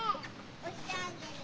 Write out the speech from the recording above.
押してあげる。